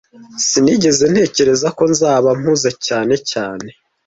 Sinigeze ntekereza ko nzaba mpuze cyane cyane